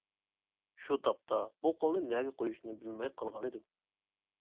شۇ تاپتا بۇ قولنى نەگە قويۇشنى بىلمەي قالغانىدىم.